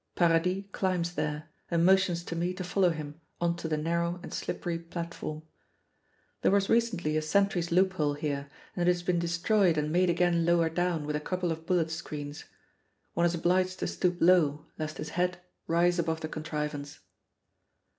Paradis climbs there, and motions to me to follow him on to the narrow and slippery platform. There was recently a sentry's loophole here, and it has been destroyed and made again lower down with a couple of bullet screens. One is obliged to stoop low lest his head rise above the contrivance.